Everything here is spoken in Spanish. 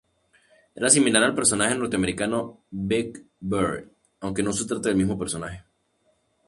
Era similar al personaje norteamericano "Big Bird", aunque no se trata del mismo personaje.